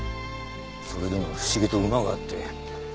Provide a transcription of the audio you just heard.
それでも不思議と馬が合って。